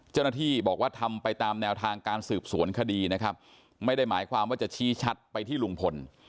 เจ้าหน้าที่บอกว่าทำไปตามแนวทางการสืบสวนคดีนะครับไม่ได้หมายความว่าจะชี้ชัดไปที่ลุงพล